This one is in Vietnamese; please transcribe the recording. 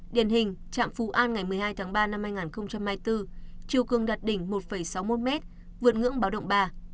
điển hình trạm phú an ngày một mươi hai tháng ba năm hai nghìn hai mươi bốn chiều cường đạt đỉnh một sáu mươi một m vượt ngưỡng báo động ba